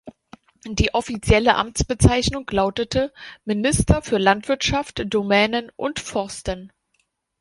Die offizielle Amtsbezeichnung lautete: „Minister für Landwirtschaft, Domänen und Forsten“.